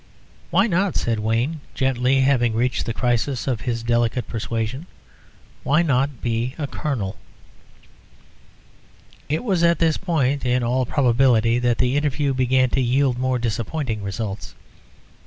"Why not," said Wayne, gently having reached the crisis of his delicate persuasion "why not be a colonel?" It was at this point, in all probability, that the interview began to yield more disappointing results.